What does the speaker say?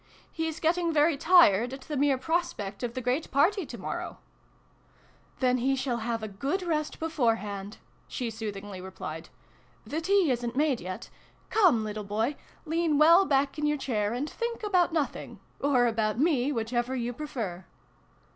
" He's getting very tired, at the mere prospect of the great party to morrow !"" Then he shall have a good rest before hand !" she soothingly replied. " The tea isn't made yet. Come, little boy, lean well back in your chair, and think about nothing or about me, whichever you prefer